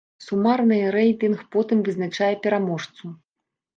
Сумарны рэйтынг потым вызначае пераможцу.